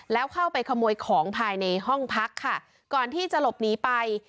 แล้วเข้าไปขโมยของภายในห้องพักค่ะก่อนที่จะหลบหนีไป